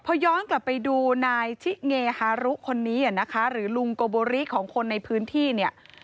พอย้อนกลับไปดูนายชิเงฮารุคนนี้นะคะหรือลุงโกโบริของคนในพื้นที่เนี่ย